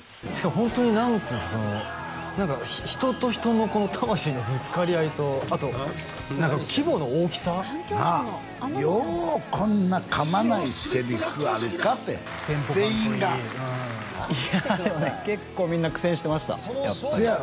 ホントに何て言うんですか人と人のこの魂のぶつかり合いとあと規模の大きさなあようこんな噛まないセリフあるかって全員がいやあ結構みんな苦戦してましたせやろ？